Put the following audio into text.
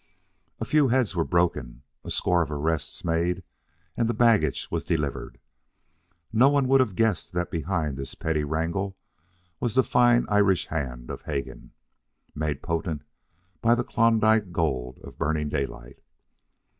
A few heads were broken, a score of arrests made, and the baggage was delivered. No one would have guessed that behind this petty wrangle was the fine Irish hand of Hegan, made potent by the Klondike gold of Burning Daylight.